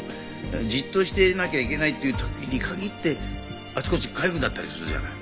じっとしていなきゃいけないっていう時に限ってあちこちかゆくなったりするじゃない。